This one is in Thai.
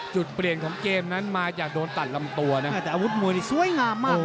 จุดเปลี่ยนของเกมนั้นมาจากโดนตัดลำตัวนะแต่อาวุธมวยนี่สวยงามมาก